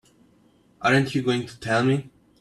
Aren't you going to tell me?